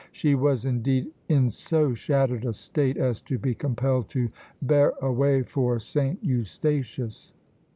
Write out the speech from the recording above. She was indeed in so shattered a state as to be compelled to bear away for St. Eustatius."